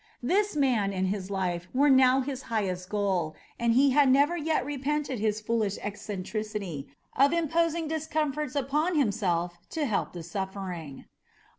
This man and his life were now his highest goal, and he had never yet repented his foolish eccentricity of imposing discomforts upon himself to help the suffering.